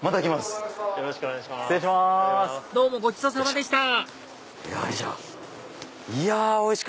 どうもごちそうさまでしたよいしょ！